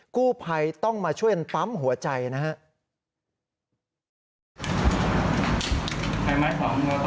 กู้ภัยต้องมาช่วยกันปั๊มหัวใจนะครับ